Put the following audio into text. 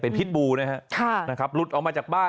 พิษบูนะครับหลุดออกมาจากบ้าน